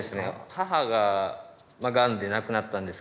母ががんで亡くなったんですけど。